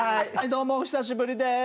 どうもお久しぶりです。